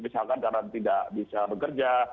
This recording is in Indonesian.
misalkan karena tidak bisa bekerja